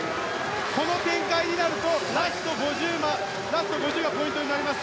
この展開になるとラスト５０がポイントになります。